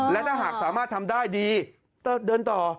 และถ้าหากสามารถทำได้ดีเดินต่อ